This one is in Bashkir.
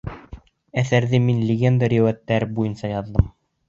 — Әҫәрҙе мин легенда-риүәйәттәр буйынса яҙҙым.